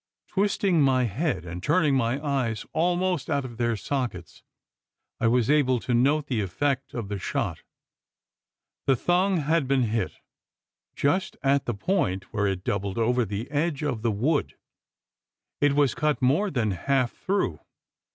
Twisting my head, and turning my eyes almost out of their sockets, I was able to note the effect of the shot. The thong had been hit, just at the point where it doubled over the edge of the wood. It was cut more than half through!